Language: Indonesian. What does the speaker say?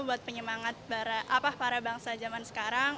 buat penyemangat para bangsa zaman sekarang